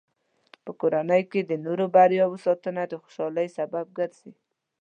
په کورنۍ کې د نورو بریاوو ستاینه د خوشحالۍ سبب ګرځي.